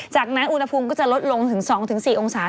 จากนั้นอุณหภูมิก็จะลดลงถึง๒๔องศา